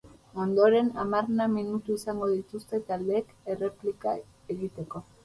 Ondoren, hamarna minutu izango dituzte taldeek, erreplika egiteko.